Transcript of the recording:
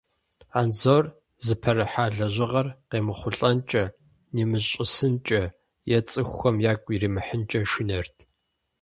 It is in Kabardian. Анзор зыпэрыхьа лэжьыгъэр къемыхъулӀэнкӀэ, нимыщӀысынкӀэ е цӀыхухэм ягу иримыхьынкӀэ шынэрт.